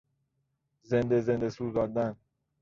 زنده زنده سوزاندن